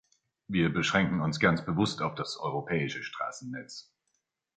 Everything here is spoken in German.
Wir beschränken uns ganz bewusst auf das europäische Straßennetz.